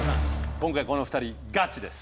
今回この２人ガチです。